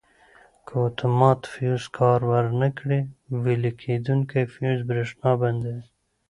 که اتومات فیوز کار ور نه کړي ویلې کېدونکی فیوز برېښنا بندوي.